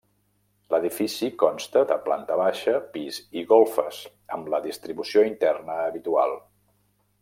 L'edifici conta de planta baixa, pis i golfes, amb la distribució interna habitual.